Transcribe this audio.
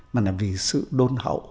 mà là vì sự đôn hậu